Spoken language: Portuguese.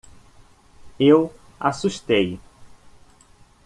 Eu assustei